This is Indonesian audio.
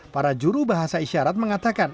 para juru bahasa isyarat mengatakan